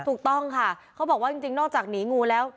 ถูกต้องค่ะเขาบอกว่าจริงนอกจากหนีงูแล้ว